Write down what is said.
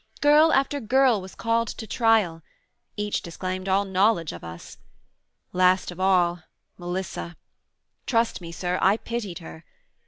Girl after girl was called to trial: each Disclaimed all knowledge of us: last of all, Melissa: trust me, Sir, I pitied her.